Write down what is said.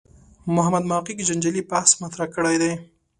محمد محق جنجالي بحث مطرح کړی دی.